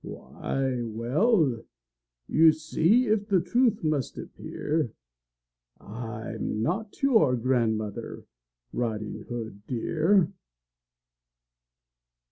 Why, well: you see if the truth must appear I'm not your grandmother, Riding Hood, dear!